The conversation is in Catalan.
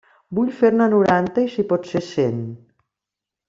Vull fer-ne noranta i, si pot ser, cent.